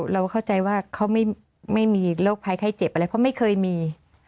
เราเข้าใจว่าเขาไม่มีโรคภัยไข้เจ็บอะไรเพราะไม่เคยมี